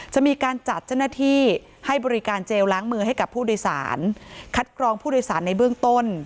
จะมีการจัดเจ้าหน้าที่ให้บริการเจลล้างมือให้กับผู้โดยสารคัดกรองผู้โดยสารในเบื้องต้น